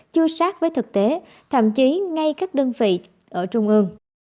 chưa sát với thực tế thậm chí ngay các đơn vị ở trung ương